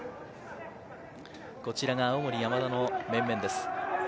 こちらが青森山田の面々です。